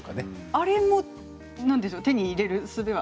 あれも手に入れるすべは？